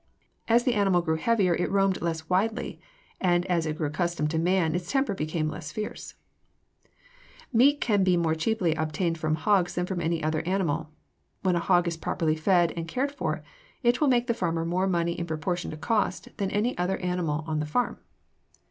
As the animal grew heavier it roamed less widely, and as it grew accustomed to man its temper became less fierce. [Illustration: FIG. 256. A PAIR OF PORKERS] Meat can be more cheaply obtained from hogs than from any other animal. When a hog is properly fed and cared for it will make the farmer more money in proportion to cost than any other animal on the farm.